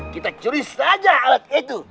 kita curi saja alat itu